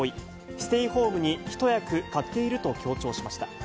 ステイホームに一役買っていると強調しました。